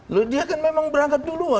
loh dia kan memang berangkat duluan